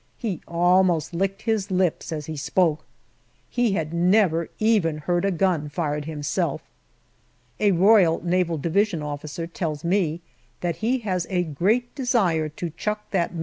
He almost licked his lips as he spoke. He had never even heard a gun fired himself. An R.N.D. officer tells me that he has a great desire to chuck the M.L.